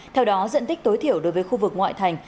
theo đó diện tích tối thiểu đối với khu vực ngoại thành